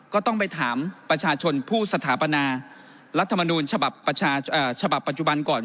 ก็ต้องไปถามประชาชนผู้สถาปนารัฐมนูลฉบับปัจจุบันก่อน